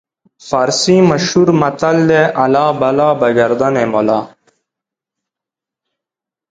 فارسي مشهور متل دی: الله بلا به ګردن ملا.